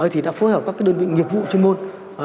thì đã phối hợp các đơn vị nghiệp vụ chuyên môn